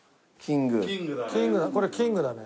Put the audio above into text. これキングだね。